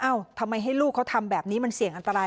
ทำไมให้ลูกเขาทำแบบนี้มันเสี่ยงอันตราย